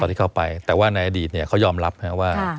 ตอนที่เข้าไปแต่ว่าในอดีตเขายอมรับนะครับว่า